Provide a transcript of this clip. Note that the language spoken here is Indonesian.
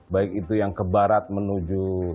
baik itu yang ke barat menuju